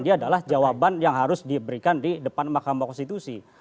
jadi itu adalah jawaban yang harus diberikan di depan mahkamah konstitusi